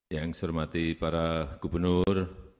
yang saya hormati para gubernur